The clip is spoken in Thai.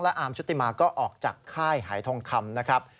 อาร์มชุติมาก็ออกจากค่ายหายทองคำนะครับ